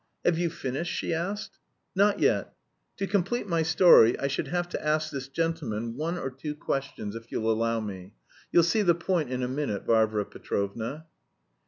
"Have you finished?" she asked. "Not yet; to complete my story I should have to ask this gentleman one or two questions if you'll allow me... you'll see the point in a minute, Varvara Petrovna."